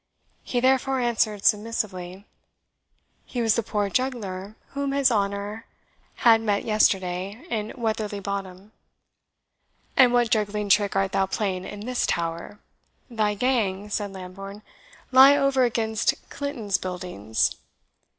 He therefore answered submissively, "He was the poor juggler whom his honour had met yesterday in Weatherly Bottom." "And what juggling trick art thou playing in this tower? Thy gang," said Lambourne, "lie over against Clinton's buildings."